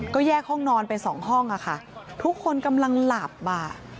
ก็แยกห้องนอนเป็นสองห้องอะค่ะทุกคนกำลังหลับอ่ะ